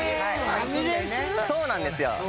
そうなんですよ！